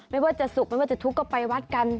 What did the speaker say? ไม่ว่าจะสุขไม่ว่าจะทุกข์ก็ไปวัดกัน